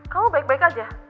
kamu baik baik aja